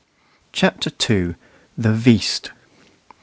CHAPTER II THE "VEAST."